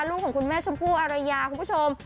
ลูกของคุณแม่ชมพู่อารยาคุณผู้ชม